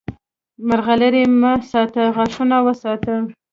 مرغلرې مه ساته، غاښونه وساته!